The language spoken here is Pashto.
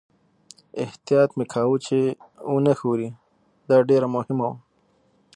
احتیاط مې کاوه چې و نه ښوري، دا ډېره مهمه وه.